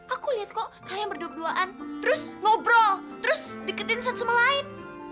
aku lihat kok kalian berduaan terus ngobrol terus deketin satu sama lain